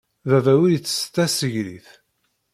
Baba ur ittett tasegrit.